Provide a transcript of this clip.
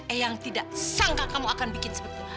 eyang tidak sangka kamu akan bikin seperti itu